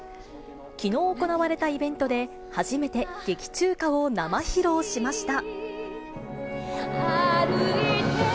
きのう行われたイベントで、初めて劇中歌を生披露しました。